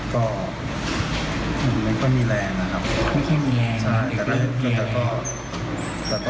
ก็ลืมตาลืมหลัก